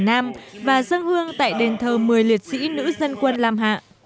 hà nam và giang hương tại đền thờ một mươi liệt sĩ nữ dân quân lam hạ